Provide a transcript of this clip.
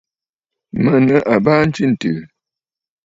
Mə̀ nɨ̂ àbaa ntswêntɨ̀ɨ̀.